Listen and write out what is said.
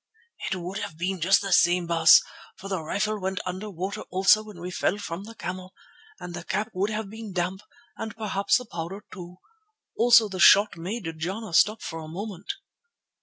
"It would have been just the same, Baas, for the rifle went under water also when we fell from the camel, and the cap would have been damp, and perhaps the powder too. Also the shot made Jana stop for a moment."